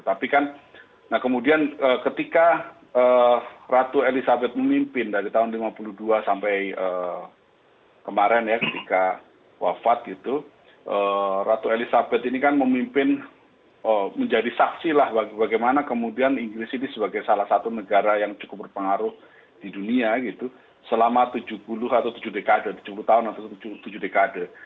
tapi kan nah kemudian ketika ratu elizabeth memimpin dari tahun seribu sembilan ratus lima puluh dua sampai kemarin ya ketika wafat gitu ratu elizabeth ini kan memimpin menjadi saksi lah bagaimana kemudian inggris ini sebagai salah satu negara yang cukup berpengaruh di dunia gitu selama tujuh puluh atau tujuh dekade tujuh puluh tahun atau tujuh dekade